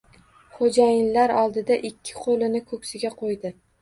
Xo’jayinlar oldida ikki qo’lini ko’ksiga qo’ydi.